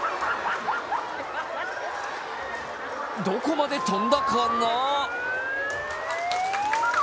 どこまで飛んだかな？